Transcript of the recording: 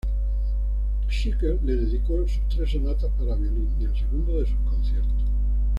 Schnittke le dedicó sus tres sonatas para violín y el segundo de sus conciertos.